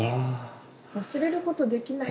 忘れることできないですよね。